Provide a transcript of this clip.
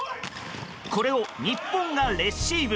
これを日本がレシーブ。